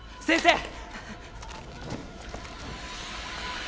先生！